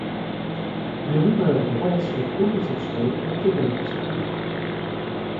Des rumeurs de relations homosexuelles ont également circulé.